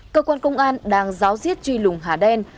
cơ quan công an đang giáo diết truy lùng hà đen